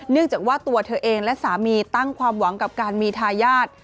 จากว่าตัวเธอเองและสามีตั้งความหวังกับการมีทายาท